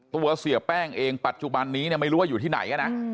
เสียแป้งเองปัจจุบันนี้เนี่ยไม่รู้ว่าอยู่ที่ไหนนะ